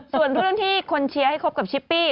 ส่วนเรื่องที่คนเชียร์ให้คบกับชิปปี้